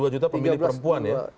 tiga belas dua juta pemilih perempuan ya